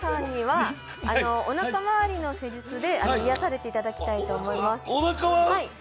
おなか回りの施術で癒やされていただきたいと思います。